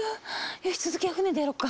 よし続きは船でやろっか。